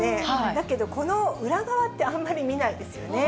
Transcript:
だけどこの裏側って、あんまり見ないですよね。